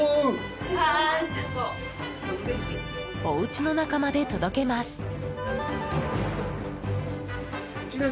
おうちの中まで届けます。